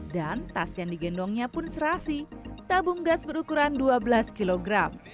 dan tas yang digendongnya pun serasi tabung gas berukuran dua belas kg